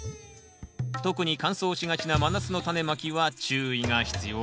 特に乾燥しがちな真夏のタネまきは注意が必要なんです